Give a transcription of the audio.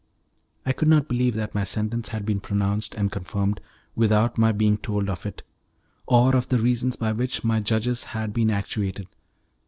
I could not believe that my sentence had been pronounced and confirmed, without my being told of it, or of the reasons by which my judges had been actuated.